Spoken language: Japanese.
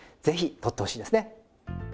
ぜひとってほしいですね。